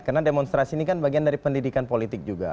karena demonstrasi ini kan bagian dari pendidikan politik juga